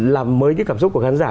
làm mới cảm xúc của khán giả